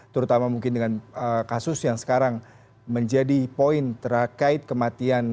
terutama mungkin dengan kasus yang sekarang menjadi poin terkait kematian